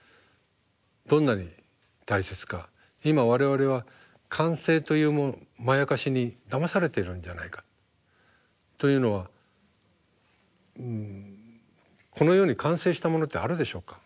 今我々は完成というまやかしにだまされているんじゃないか。というのはこの世に完成したものってあるでしょうか。